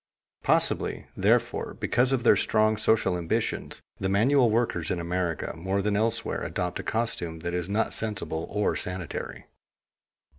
Possibly, therefore, because of their strong social ambitions, the manual workers in America more than elsewhere adopt a costume that is not sensible or sanitary.